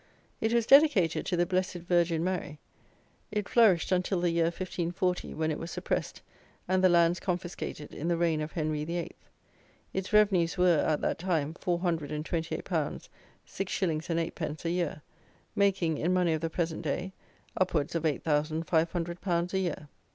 It was dedicated to the blessed Virgin Mary; it flourished until the year 1540, when it was suppressed, and the lands confiscated, in the reign of Henry VIII. Its revenues were, at that time, four hundred and twenty eight pounds, six shillings and eight pence a year, making, in money of the present day, upwards of eight thousand five hundred pounds a year.